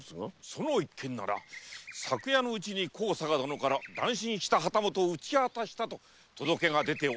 その一件なら昨夜のうちに高坂殿から乱心した旗本を討ち果たしたと届けが出ております。